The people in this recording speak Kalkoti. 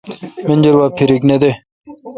منجر وا فیرک نہ دے۔